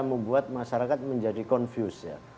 membuat masyarakat menjadi confused